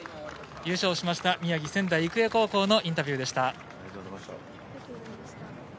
優勝しました宮城、仙台育英高校のインタビューでした。